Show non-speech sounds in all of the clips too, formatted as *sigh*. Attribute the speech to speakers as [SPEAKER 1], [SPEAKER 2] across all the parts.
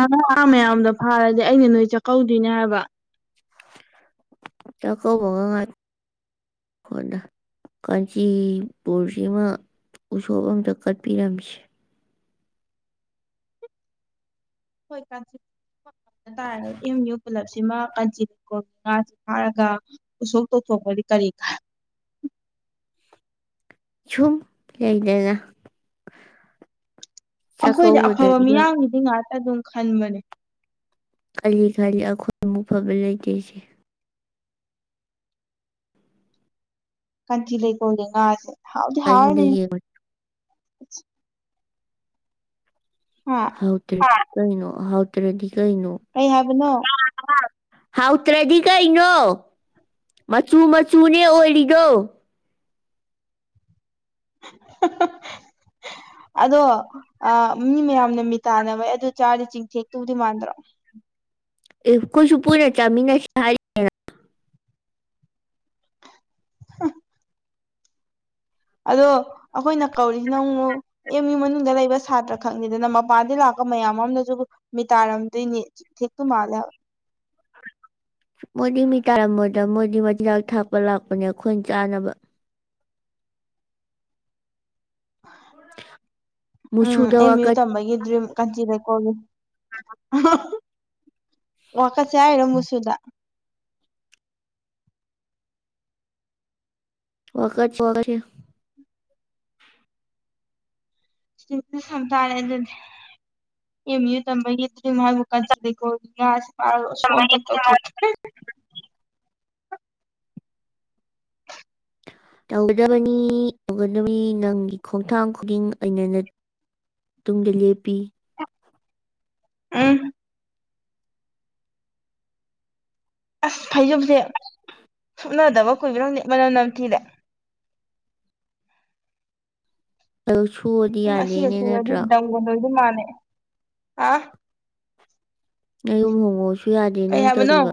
[SPEAKER 1] ꯎ ꯉꯥ ꯃꯌꯥꯝꯗꯣ ꯐꯥꯔꯗꯤ ꯑꯩꯅ ꯅꯣꯏ ꯆꯥꯛꯀꯧꯗꯣꯏꯅꯦ ꯍꯥꯏꯕ
[SPEAKER 2] ꯆꯀꯣ ꯉ ꯉꯀꯣꯟꯗ ꯀꯥꯟꯆꯤꯕꯨꯁꯤꯃ ꯎꯁꯣꯞ ꯑꯝꯇ ꯀꯠꯄꯤꯔꯝꯁꯤ
[SPEAKER 1] ꯃꯝ ꯎ ꯄꯨꯂꯞ ꯁꯦ ꯁꯤꯃ ꯀꯟꯆꯅꯤ ꯀꯣ ꯉꯥꯁꯦ ꯐꯥꯔꯒ ꯎꯁꯣꯛ ꯇꯧꯊꯣꯛꯄꯗꯤ ꯀꯔꯤ ꯀ
[SPEAKER 2] *unintelligible* ꯨꯁꯨ ꯂꯩ ꯗꯅ
[SPEAKER 1] ꯑꯩꯈꯣꯏꯗꯤ ꯑꯐꯕ ꯃꯤꯌꯥꯝꯒꯤꯗꯤ ꯉꯥꯛꯇ ꯑꯗꯨꯝ ꯈꯟꯕꯅꯦ
[SPEAKER 2] ꯈꯜꯂꯤ ꯈꯂꯤ ꯑꯈꯣꯏ ꯃꯐꯕ ꯂꯩꯇꯩꯁꯤ
[SPEAKER 1] ꯀꯆꯤ ꯂꯩ ꯀꯣꯗ ꯉ ꯍꯥꯎꯗꯤ
[SPEAKER 2] ꯑꯩꯉꯣꯟꯗ
[SPEAKER 1] ꯍꯥꯔꯅꯦ
[SPEAKER 2] ꯌꯦꯡꯉꯣ ꯍꯥꯎ ꯇꯔꯦꯗꯤ ꯀꯩꯅꯩꯅꯣ ꯍꯥꯎ ꯇꯔꯦꯗꯤ ꯀꯩꯩꯅꯣ
[SPEAKER 1] ꯀꯩ ꯍꯥꯏꯕꯅꯣ
[SPEAKER 2] ꯍꯥꯎꯇ꯭ꯔꯗꯤ ꯀꯩꯅꯣ ꯃꯆꯨ ꯃꯆꯨꯅꯦ ꯑꯣꯏꯔꯤꯅꯣ *unintelligible*
[SPEAKER 1] ꯑꯗꯣ ꯃꯤ ꯃꯌꯥꯝꯅ ꯃꯤ ꯇꯥꯟꯅꯕ ꯑꯗꯨ ꯆꯥꯗꯤꯦ ꯆꯤꯡꯊꯦꯛꯇꯕꯨꯗꯤ ꯃꯥꯟꯗ꯭ꯔꯣ
[SPEAKER 2] ꯀꯁꯨ ꯄꯅ ꯆꯃꯤꯅꯁꯤ
[SPEAKER 1] *unintelligible* ꯑꯗꯣ ꯑꯩꯈꯣꯏꯅ ꯀꯧꯔꯤꯁꯤ ꯅꯪ ꯑꯦꯝ ꯌꯨ ꯃꯅꯨꯡꯗ ꯂꯩꯕ ꯁꯥꯇ꯭ꯔ ꯈꯛꯅꯤꯗꯅ ꯃꯄꯥꯟꯗꯒꯤꯩ ꯂꯥꯛꯄ ꯃꯌꯥꯝ ꯑꯃꯅꯁꯨ ꯃꯤꯇꯥꯔꯝꯗꯣꯏꯅꯤ ꯆꯊꯦꯛꯇꯨ ꯃꯥꯜꯂꯦ
[SPEAKER 2] ꯃꯣꯗꯤ ꯃꯤ ꯇꯥꯔꯝꯃꯗ ꯃꯣꯗꯤ ꯃꯆꯤꯟꯖꯥꯛ ꯊꯥꯛꯄ ꯂꯥꯛꯄꯅꯦ ꯑꯩꯈꯣꯏ ꯆꯥꯅꯕ
[SPEAKER 1] ꯎꯝ
[SPEAKER 2] ꯃꯨꯁꯨꯗ
[SPEAKER 1] ꯑꯩ ꯃꯤꯑꯣ꯭ꯌꯨ
[SPEAKER 2] ꯋꯥꯀꯠ
[SPEAKER 1] ꯇꯝꯕꯒꯤ ꯗ꯭ꯔꯤꯝ ꯀꯥꯟꯆꯤꯗ ꯀꯣꯜꯂꯤ *unintelligible* ꯋꯥꯀꯠꯁꯦ ꯍꯥꯏꯔꯣ ꯃꯨꯁꯨꯗ
[SPEAKER 2] ꯋꯥꯈ ꯋꯥꯁꯤ
[SPEAKER 1] ꯁꯤ ꯁꯗꯥꯔꯦ ꯑꯗꯨꯗꯤ ꯑꯦꯦꯝ ꯌꯨ ꯇ ꯃ ꯃꯥꯕꯨ ꯀꯥꯟꯁꯤꯗ ꯀꯣ ꯌꯥ ꯃꯥ ꯁꯣꯝ ꯇ ꯇ ꯊ
[SPEAKER 2] ꯇꯧꯒꯗꯕꯅꯤ ꯇꯧꯒꯗꯅꯤ ꯅꯪꯒꯤ ꯈꯣꯡꯊꯥꯡ ꯈꯨꯗꯤꯡ ꯑꯩꯅ ꯇꯨꯨꯡ ꯗ ꯂꯦ ꯄꯤ
[SPEAKER 1] ꯑ ꯑꯁ ꯐꯩꯖꯣꯝꯁꯦ ꯁꯨꯞꯅꯗꯕ ꯀꯨꯕꯔꯪꯗꯦ ꯃꯅꯝ ꯅꯝꯊꯤꯗ
[SPEAKER 2] ꯑ
[SPEAKER 1] ꯎꯝ ꯑꯁꯤꯒ ꯁꯨꯔꯗꯤ ꯗꯧꯒꯗꯣꯏꯗꯤ ꯃꯥꯟꯅ ꯑ
[SPEAKER 2] ꯅꯌꯨꯝ ꯍꯣꯡꯉꯛꯁꯨ ꯌꯥꯗꯦ
[SPEAKER 1] ꯀꯩ
[SPEAKER 2] ꯅꯪ
[SPEAKER 1] ꯍꯥꯏꯕꯅꯣ
[SPEAKER 2] ꯇꯧꯔꯤꯕ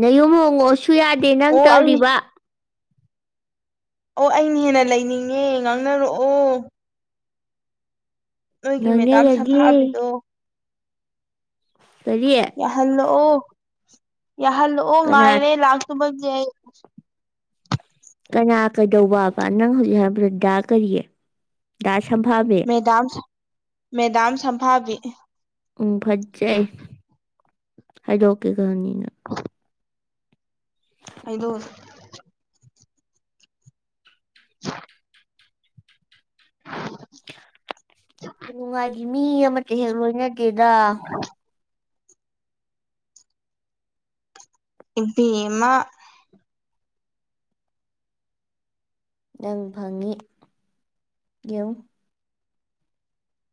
[SPEAKER 2] ꯅꯌꯨꯝ ꯍꯣꯡꯉꯛ ꯀ ꯁꯨ ꯌꯥꯗꯦ ꯅꯪ
[SPEAKER 1] ꯑꯣ ꯑꯩꯅ
[SPEAKER 2] ꯇꯧꯔꯤꯕ
[SPEAKER 1] ꯑꯣ ꯑꯩꯅ ꯍꯦꯟꯅ ꯂꯩꯅꯤꯡꯉꯦ ꯉꯥꯡꯅꯔꯛꯑꯣ ꯅꯣꯏꯒꯤ ꯃꯦꯗꯥꯝ
[SPEAKER 2] ꯉꯥꯡꯅꯔꯒꯦ
[SPEAKER 1] ꯁꯝꯐꯥꯕꯤꯗꯣ
[SPEAKER 2] ꯀꯔꯤ
[SPEAKER 1] ꯌꯥꯍꯜ ꯑꯣ ꯌꯥꯍꯜ ꯑꯣ
[SPEAKER 2] ꯀꯅꯥ
[SPEAKER 1] ꯉꯥꯏꯔ ꯂꯥꯛ ꯃ ꯌꯥꯏ
[SPEAKER 2] ꯀꯅꯥ ꯀꯩꯗꯧꯕꯕ ꯅꯪ ꯍꯧꯖꯤꯛ ꯍꯥꯏꯔꯕ꯭ꯔꯗ ꯀꯔꯤꯌꯦ ꯗ ꯁꯚꯕꯤꯦ
[SPEAKER 1] ꯃꯦꯗꯥꯝ ꯃꯦꯗꯥꯝ ꯁꯝꯚꯥꯕꯤ
[SPEAKER 2] ꯎꯝ ꯐꯠꯦ ꯍꯥꯏꯗꯣꯀꯦ ꯀꯍꯅꯤꯅꯤ
[SPEAKER 1] ꯑꯗꯣ *inaudible*
[SPEAKER 2] ꯅꯨꯡꯉꯥꯏꯈꯤ ꯃꯤ ꯑꯃꯠꯇ ꯍꯦꯛ ꯂꯣꯏꯅꯗꯦꯗ
[SPEAKER 1] ꯏꯕꯤꯃ
[SPEAKER 2] ꯅꯪ ꯐꯪꯉꯤ ꯌꯦꯡ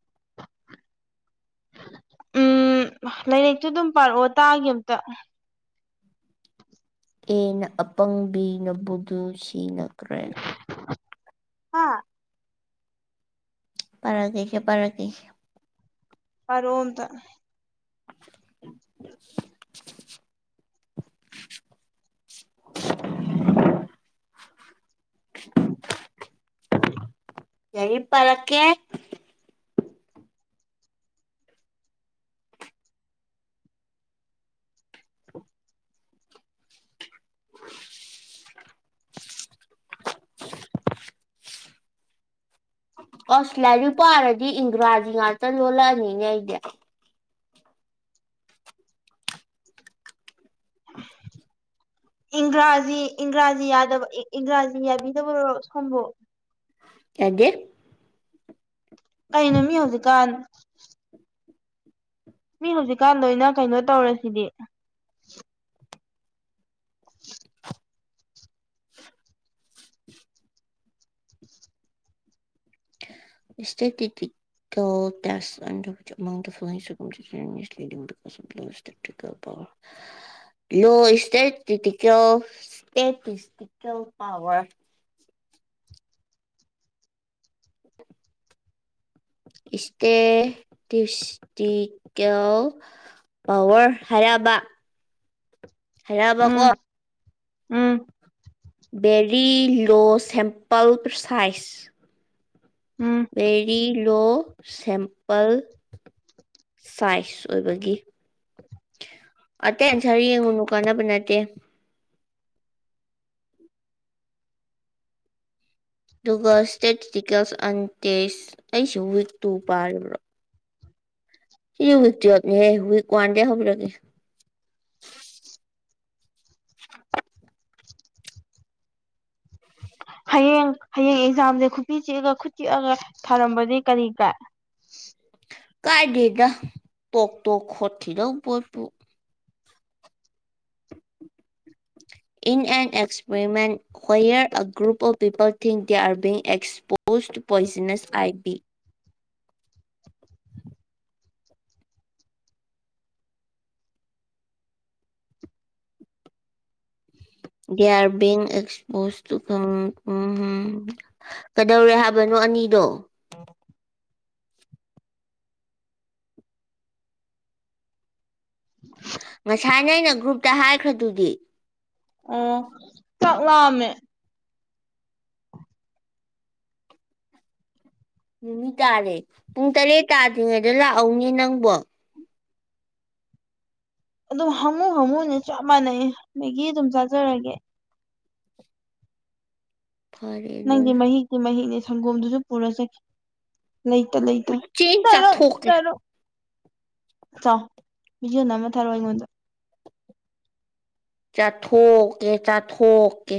[SPEAKER 2] *inaudible*
[SPEAKER 1] ꯎꯝ ꯂꯥꯏꯔꯤꯛꯇꯨ ꯑꯗꯨꯝ ꯄꯥꯔꯛꯑꯣ ꯇꯥꯒꯦ ꯑꯝꯇ
[SPEAKER 2] ꯑꯦ ꯅ ꯑꯄꯪꯕꯤ ꯅꯕꯨꯙ ꯁꯤ ꯅ ꯀ꯭ꯔꯦꯅ
[SPEAKER 1] ꯍꯥꯥ
[SPEAKER 2] ꯄꯔꯒꯦꯁꯦ ꯄꯔꯒꯁꯦ
[SPEAKER 1] ꯑꯔ ꯑꯣꯝꯗ
[SPEAKER 2] *inaudible* *inaudible* ꯀꯏ ꯄꯔꯀꯦ *inaudible* ꯑꯣꯁꯇꯦꯂꯤ ꯄꯥꯔꯗꯤ ꯏꯪꯒ꯭ꯔꯥꯖꯤ ꯉꯥꯛꯇ ꯂꯣꯜꯂꯛꯑꯅꯤꯅꯦ ꯑꯩꯗꯤ ꯑ
[SPEAKER 1] ꯏꯪ꯭ꯔꯥꯖꯤ ꯏꯪꯒ꯭ꯔꯥꯖꯤ ꯌꯥꯗꯕ ꯏꯪ꯭ꯔꯥꯖꯤ ꯌꯥꯕꯤꯗꯕꯔꯣ ꯁꯣꯝꯕꯨ
[SPEAKER 2] ꯍꯒꯦ
[SPEAKER 1] ꯀꯩꯅꯩꯅꯃꯤ ꯍꯧꯗꯨꯀꯥꯟ ꯃꯤ ꯍꯧꯖꯤꯛꯀꯥꯟ ꯂꯣꯏꯅ ꯀꯩꯅꯣ ꯇꯧꯔꯁꯤꯗꯤ
[SPEAKER 2] *inaudible* ꯏꯁꯦ ꯇꯤꯤ ꯟꯐ *inaudible* ꯂꯣ ꯏꯁꯇꯦꯤꯦꯜ ꯁꯇꯦꯇꯤꯦꯜ ꯄꯔ *inaudible* ꯎ ꯏꯁꯇꯦ ꯇꯨꯁꯇ ꯀꯣ ꯄꯋꯥꯔ ꯍꯥꯏꯔꯕ ꯍꯦꯔꯕ
[SPEAKER 1] ꯎꯝ
[SPEAKER 2] ꯀꯦꯔꯤ
[SPEAKER 1] ꯎꯝ
[SPEAKER 2] ꯔꯤ ꯂꯣ ꯁꯦꯝꯄꯄꯜ ꯄ ꯁꯥꯏꯖ
[SPEAKER 1] ꯎꯝ
[SPEAKER 2] ꯕꯦꯔꯤ ꯂꯣ ꯁꯤꯝꯄꯜ ꯁꯥꯏꯖ ꯑꯣꯏꯕꯒꯤ ꯑꯇꯩ ꯑꯟꯁꯔ ꯌꯦꯡꯉꯨꯅꯨ ꯀꯥꯟꯅꯕ ꯅꯠꯇꯦ ꯑꯗꯨꯒ ꯏꯁꯇꯦꯇꯤꯁꯇꯤꯀꯦꯜꯁ ꯑꯦꯟ ꯇꯦꯁ ꯑꯩꯁꯨ ꯋꯤꯛ ꯇꯨ ꯄꯥꯔꯤꯕ꯭ꯔꯥ ꯁꯤ ꯎꯏꯛ ꯇ ꯎꯏꯛ ꯋꯥꯟꯗ ꯍ ꯂꯒꯦ *inaudible*
[SPEAKER 1] ꯍꯌꯦꯡ ꯍꯌꯦꯡ ꯑꯦꯛꯖꯥꯝꯁꯦ ꯈꯨꯀꯤ ꯆꯤꯛꯑꯒ ꯈꯨꯠ ꯆꯤꯛꯑꯒ ꯊꯥꯔꯝꯕꯗꯤ ꯀꯔꯤ ꯀꯥꯏ
[SPEAKER 2] ꯀꯥꯏꯗꯦꯗ ꯇꯣꯛ ꯇꯣꯛ ꯈꯣꯠꯈꯤꯗ ꯄꯣꯠꯇꯨ *inaudible* ꯏꯟ an experiment however group of people thing they are exposed poisonous I B *inaudible* *inaudible* *inaudible* ꯌꯥꯔ ꯕꯤꯡ ꯑꯦꯛꯁꯄꯣꯁ ꯎꯝ ꯀꯗꯧꯔꯦ ꯍꯥꯏꯕꯅꯣ ꯑꯅꯤ ꯗꯣ ꯉꯁꯥꯏꯅ ꯑꯩꯅ ꯒ꯭ꯔꯨꯞꯇ ꯍꯥꯏꯈ꯭ꯔꯗꯨꯗꯤ
[SPEAKER 1] ꯑꯣ ꯆꯠꯂꯃꯦ
[SPEAKER 2] ꯅꯨꯃꯤ ꯇꯥꯔꯦ ꯄꯨꯡ ꯇꯔꯦꯠ ꯇꯥꯗ꯭ꯔꯤꯉꯩꯗ ꯂꯥꯛꯍꯧꯅꯦ ꯅꯪꯕꯣ
[SPEAKER 1] ꯑꯗꯨꯝ ꯍꯥꯉꯨ ꯍꯥꯉꯨꯅꯦ ꯆꯞ ꯃꯥꯟꯅꯩ ꯃꯦꯒꯤ ꯑꯗꯨꯝ ꯆꯥꯖꯔꯒꯦ
[SPEAKER 2] ꯐꯔꯦ
[SPEAKER 1] ꯅꯪꯗꯤ
[SPEAKER 2] ꯑꯗꯨꯅ
[SPEAKER 1] ꯃꯍꯤꯛꯇꯤ ꯃꯍꯤꯛꯅꯦ ꯁꯪꯒꯣꯝꯗꯨꯁꯨ ꯄꯨꯔ ꯆꯈꯤ ꯂꯩꯇ ꯂꯩꯇ
[SPEAKER 2] ꯆꯦꯡ
[SPEAKER 1] ꯇꯔꯣ
[SPEAKER 2] ꯆꯥꯊꯣꯛꯀꯦ
[SPEAKER 1] ꯇꯔꯣ ꯆꯥꯎ ꯅ ꯑꯃ ꯊꯥꯔ ꯋꯥ ꯑꯩꯉꯣꯟꯗ
[SPEAKER 2] ꯆꯥꯊꯣꯛꯀꯦ ꯆꯥꯊꯣꯛꯀꯦ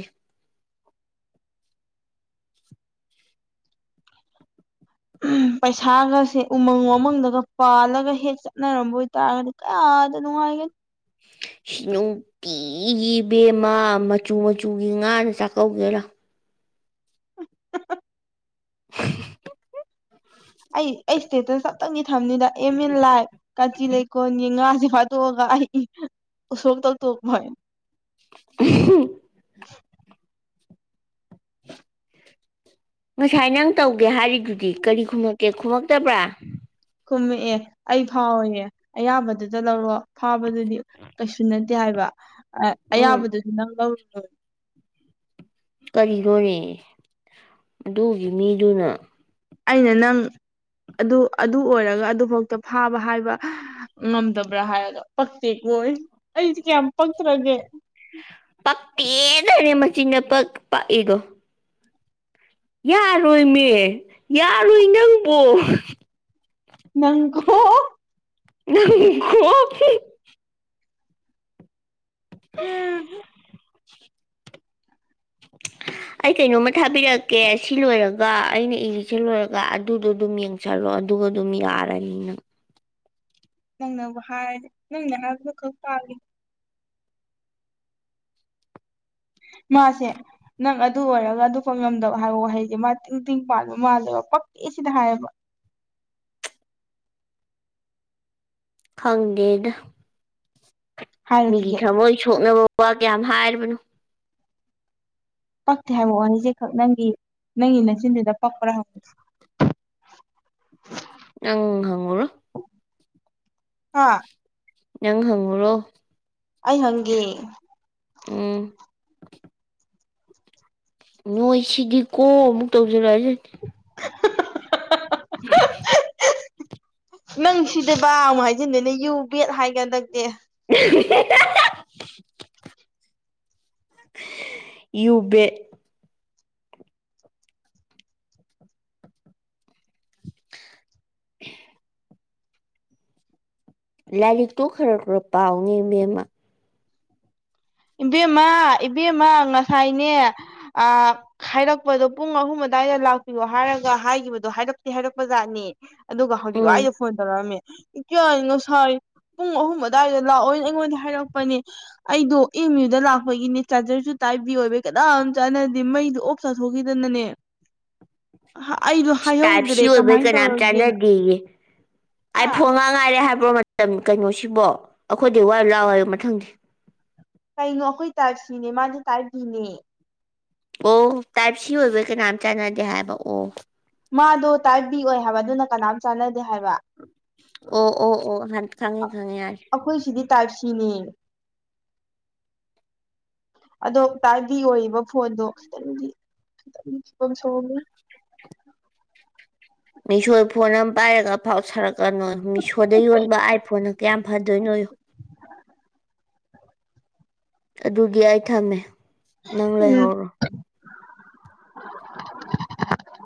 [SPEAKER 2] *unintelligible*
[SPEAKER 1] ꯄꯩꯁꯥꯒꯁꯦ ꯎꯃꯪ ꯋꯥꯃꯪꯗꯒ ꯄꯥꯜꯂꯒ ꯍꯦꯛ ꯆꯠꯅꯔꯝꯕ ꯑꯣꯏꯇꯥꯔꯒꯗꯤ ꯀꯌꯥꯗ ꯅꯨꯡꯉꯥꯏꯒꯅꯤ
[SPEAKER 2] *inaudible* ꯅꯨꯡꯇꯤꯒꯤ ꯕꯦꯝꯃ ꯃꯆꯨ ꯃꯆꯨꯒꯤ ꯉꯥꯅ ꯆꯥꯛꯀꯧꯒꯦꯔꯥ
[SPEAKER 1] ꯑꯩ ꯑꯩ ꯏꯁꯇꯦꯠꯇ ꯇꯞꯇꯪꯗꯤ ꯊꯝꯅꯤꯗ ꯑꯦꯝ ꯑꯦꯟ ꯂꯥꯏ ꯀꯥꯆꯤ ꯂꯩꯀꯣꯜ ꯌꯦ ꯉꯥ ꯍ ꯑꯗꯨꯣ ꯁ ꯇ ꯇ
[SPEAKER 2] *inaudible*
[SPEAKER 1] *inaudible*
[SPEAKER 2] ꯉꯁꯥꯏ ꯅꯪ ꯇꯧꯒꯦ ꯍꯥꯏꯔꯤꯗꯨꯗꯤ ꯀꯔꯤ ꯈꯨꯝꯃꯛꯀꯦ ꯈꯨꯝꯃꯛꯇꯕ꯭ꯔꯥ
[SPEAKER 1] ꯈꯨꯝꯃꯛꯑꯦ ꯑꯩ ꯐꯥꯎꯋꯌꯦ ꯑꯌꯥꯝꯕꯗꯨꯗ ꯂꯧꯔꯣꯑꯣ ꯐꯥꯕꯗꯨꯗꯤ ꯀꯩꯁꯨ ꯅꯠꯇꯦ ꯍꯥꯏꯕ
[SPEAKER 2] ꯎꯝ
[SPEAKER 1] ꯑꯌꯥꯕꯗꯨꯁꯨ ꯅꯪ ꯂꯧꯔ
[SPEAKER 2] ꯀꯔꯤꯅꯣꯅꯦ ꯑꯗꯨꯒꯤ ꯃꯤꯗꯨꯅ
[SPEAKER 1] ꯑꯩꯅ ꯅꯪ ꯑꯗꯨ ꯑꯗꯨ ꯑꯣꯏꯔꯒ ꯑꯗꯨꯐꯥꯎꯗ ꯐꯥꯕ ꯍꯥꯏꯕ ꯉꯝꯗꯕ꯭ꯔꯥ ꯍꯥꯏꯔꯒ ꯄꯛꯇꯦꯀꯣ ꯑꯩꯗꯤ ꯀꯌꯥꯝ ꯄꯛꯇ꯭ꯔꯒꯦ
[SPEAKER 2] ꯄꯛꯤꯗꯔ ꯃ ꯆꯤꯤꯟ ꯄ ꯄ ꯏꯒꯣ ꯌꯥꯔꯣꯏꯅꯦ ꯌꯥꯔꯣꯏ ꯅꯪꯕꯣ
[SPEAKER 1] ꯅꯪꯀꯣ
[SPEAKER 2] ꯪ ꯍ *inaudible* ꯑꯩ ꯀꯩꯅꯣꯝꯃ ꯊꯥꯕꯤꯔꯛꯀꯦ ꯁꯤ ꯂꯣꯏꯔꯒ ꯑꯩꯅ ꯏꯔꯤꯁꯦ ꯂꯣꯏꯔꯒ ꯑꯗꯨꯗꯣ ꯑꯗꯨꯝ ꯌꯦꯡꯁꯜꯂꯣ ꯑꯗꯨꯒ ꯑꯗꯨꯝ ꯌꯥꯔꯅꯤꯅ
[SPEAKER 1] ꯅꯪꯅꯕꯨ ꯍꯥꯏ ꯅꯪꯅ ꯍꯥꯏꯕꯗꯨ ꯈꯛ ꯄꯥꯜꯂꯤ
[SPEAKER 2] *inaudible*
[SPEAKER 1] ꯃꯥꯁꯦ ꯅꯪ ꯑꯗꯨ ꯑꯣꯏꯔꯒ ꯑꯗꯨ ꯐ ꯉꯝꯗꯕ ꯍꯥꯏꯕ ꯋꯥꯍꯩꯁꯦ ꯃꯥ ꯇꯤꯡ ꯇꯤꯡ ꯄꯥꯟꯕ ꯃꯥꯜꯂꯦꯕ ꯄꯛ ꯀ ꯁꯤꯗ ꯍꯥꯏꯌꯦꯕ
[SPEAKER 2] ꯈꯥꯡꯒꯠ ꯃꯤꯒꯤ
[SPEAKER 1] ꯍꯥꯏꯔꯨꯈꯤꯒꯦ
[SPEAKER 2] ꯊꯃꯣꯏ ꯁꯣꯛꯅꯕ ꯋꯥ ꯀꯌꯥꯝ ꯍꯥꯏꯔꯤꯕꯅꯣ
[SPEAKER 1] ꯄꯛꯇꯦ ꯍꯥꯏꯕ ꯋꯥꯍꯁꯦ ꯈꯛ ꯅꯪꯒꯤ ꯅꯪꯒꯤ ꯃꯆꯤꯟꯗꯨꯗ ꯄꯛꯄ꯭ꯔꯥ ꯍꯧ
[SPEAKER 2] ꯑꯪ ꯍꯉꯔ
[SPEAKER 1] ꯑ
[SPEAKER 2] ꯅꯪ ꯍꯪꯉꯨꯔꯣ
[SPEAKER 1] ꯑꯩ ꯍꯪꯦ
[SPEAKER 2] *inaudible* ꯅꯣꯏ ꯁꯤꯗꯤ ꯀꯣ ꯑꯃꯨꯛ ꯇꯧꯖꯔꯛꯑꯁ
[SPEAKER 1] *inaudible*
[SPEAKER 2] ꯎ
[SPEAKER 1] ꯅꯪ ꯁꯤꯗꯕꯕꯥ ꯑꯃꯨꯛ ꯍꯥꯏꯖꯤꯟꯗꯅꯦ ꯌꯨ ꯕꯦꯠ ꯍꯥꯏꯀꯥꯟꯗ
[SPEAKER 2] ꯎ ꯌꯨꯕꯦ *inaudible* ꯂꯥꯏꯔꯤꯛꯇꯨ ꯈꯔ ꯈꯔ ꯄꯥꯎꯉꯦ ꯃꯦꯝꯃ
[SPEAKER 1] ꯏꯕꯦꯝꯃ ꯏꯕꯦꯝꯃ ꯉꯁꯥꯏꯅꯦ ꯍꯥꯏꯔꯛꯄꯗꯣ ꯄꯨꯡ ꯑꯍꯨꯝ ꯀꯗꯥꯏꯗ ꯂꯥꯛꯄꯤꯌꯣ ꯍꯥꯏꯔꯒ ꯍꯥꯏꯈꯤꯕꯗꯣ ꯍꯥꯏꯔꯛꯇꯦ ꯍꯥꯏꯔꯛꯄꯖꯥꯠꯅꯤ ꯑꯗꯨꯒ ꯍꯧꯖꯤꯛ
[SPEAKER 2] ꯎꯝ
[SPEAKER 1] ꯋꯥꯏꯗꯣ ꯐꯣꯟ ꯇꯧꯔꯛꯑꯝꯃꯦ ꯏꯀꯌꯥꯅꯤ ꯉꯁꯥꯏ ꯄꯨꯡ ꯑꯍꯨꯝ ꯑꯗꯨꯗꯥꯋꯥꯏꯗ ꯂꯥꯛꯑꯣꯏꯅ ꯑꯩꯉꯣꯟꯗ ꯍꯥꯏꯔꯛꯄꯅꯦ ꯑꯩꯗꯣ ꯏꯪ ꯌꯌꯨꯗ ꯂꯥꯛꯄꯒꯤꯅꯦ ꯆꯥꯔꯖꯔꯁꯨ ꯇꯥꯏꯞꯕꯤ ꯑꯣꯏꯕ ꯀꯗꯥꯝ ꯆꯥꯟꯅꯗꯦ ꯃꯩꯗꯨ ꯑꯣꯐ ꯆꯥꯊꯣꯛꯈꯤꯗꯅꯅꯦ ꯑꯩꯗꯣ
[SPEAKER 2] ꯇꯥꯏꯞꯁꯤ
[SPEAKER 1] ꯍꯥꯏꯍꯧꯗ꯭ꯔꯦ
[SPEAKER 2] ꯑꯣꯏꯕꯩ
[SPEAKER 1] ꯀꯃꯥꯏꯅ
[SPEAKER 2] ꯀꯅꯥꯝ
[SPEAKER 1] ꯇꯧꯔꯒꯦꯅ
[SPEAKER 2] ꯆꯥꯟꯅꯗꯦꯌꯦ ꯑꯩ
[SPEAKER 1] ꯍꯥ
[SPEAKER 2] ꯐꯣꯡꯉ ꯉꯥꯏꯔꯦ ꯍꯥꯏꯕ ꯣ ꯃꯇꯝ ꯀꯩꯅꯣꯁꯤꯕꯣ ꯑꯩꯈꯣꯏꯗꯤ ꯋꯥ ꯂꯥꯛꯋꯕ ꯃꯊꯪꯗꯤ
[SPEAKER 1] ꯀꯩꯅꯣ ꯑꯩꯈꯣꯏ ꯇꯥꯏꯞ ꯁꯤꯅꯦ ꯃꯥꯗꯤ ꯇꯥꯏꯞꯀꯤꯅꯦ
[SPEAKER 2] ꯑꯣ ꯇꯥꯏꯞ ꯁꯤ ꯑꯣꯏꯕ ꯀꯅꯥꯝ ꯆꯅꯗ ꯍꯥꯏꯕ ꯑꯣ
[SPEAKER 1] ꯃꯥꯗꯣ ꯇꯥꯏꯞ ꯕꯤ ꯑꯣꯏ ꯍꯥꯏꯕ ꯑꯗꯨꯅ ꯀꯅꯥꯝ ꯆꯥꯟꯅꯗꯦ ꯍꯥꯏꯕ
[SPEAKER 2] ꯑꯣ ꯑꯣ ꯑꯣ ꯍꯥ ꯈꯥꯉꯦ ꯈꯪꯉꯦ ꯍꯥꯏꯔ
[SPEAKER 1] ꯆꯅꯤ ꯑꯗꯣ ꯇꯥꯏꯕꯤ ꯑꯣꯏꯔꯤꯕ ꯐꯣꯟꯗꯣ ꯈꯤꯇꯪꯗꯤ ꯝ ꯁ
[SPEAKER 2] *inaudible* ꯃꯤꯁꯣ ꯐꯣꯟ ꯑꯃ ꯄꯥꯏꯔꯒ ꯐꯥꯎ ꯁꯥꯔꯛꯀꯅꯣ ꯃꯤꯁꯣꯗ ꯌꯣꯟꯕ ꯑꯥꯏ ꯐꯣꯟꯅ ꯀꯌꯥꯝ ꯐꯗꯣꯏꯅꯣ *inaudible* ꯑꯗꯨꯒꯤ ꯑꯩ ꯊꯝꯃꯦ ꯅꯪ
[SPEAKER 1] ꯎꯝ
[SPEAKER 2] ꯂꯩꯍꯧꯔꯣ
[SPEAKER 1] *unintelligible* *unintelligible*